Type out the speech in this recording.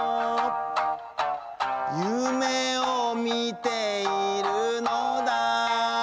「ゆめをみてゐるのだ」